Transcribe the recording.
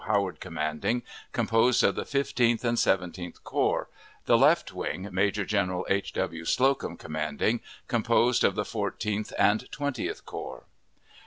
Howard commanding, composed of the Fifteenth and Seventeenth Corps; the left wing, Major General H. W. Slocum commanding, composed of the Fourteenth and Twentieth Corps.